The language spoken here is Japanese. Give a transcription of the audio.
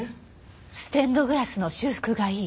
ステンドグラスの修復がいい。